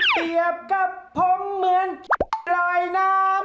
เปรียบกับผมเหมือนลอยน้ำ